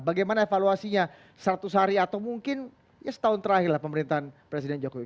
bagaimana evaluasinya seratus hari atau mungkin ya setahun terakhirlah pemerintahan presiden jokowi